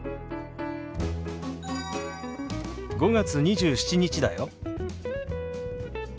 ５月２７日だよ。